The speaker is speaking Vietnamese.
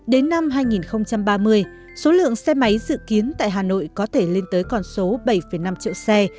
đến năm hai nghìn ba mươi số lượng xe máy dự kiến tại hà nội có thể lên tới con số bảy năm triệu xe